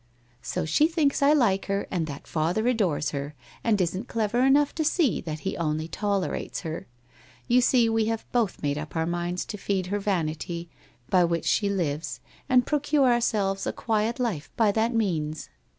' So she thinks I like her and that father adores her, and isn't clever enough to see that he only tolerates her. You see, we have both made up our minds to feed her vanity by which she lives, and procure ourselves a quiet life by that means.